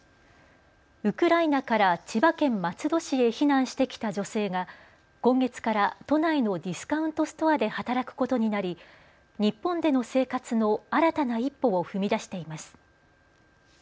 ウクライナから千葉県松戸市へ避難してきた女性が今月から都内のディスカウントストアで働くことになり、日本での生活の新たな一歩を踏み出しています。